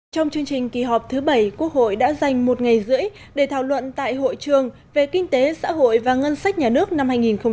trong chương trình kỳ họp thứ bảy quốc hội đã dành một ngày rưỡi để thảo luận tại hội trường về kinh tế xã hội và ngân sách nhà nước năm hai nghìn một mươi chín